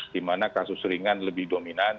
di mana kasus ringan lebih dominan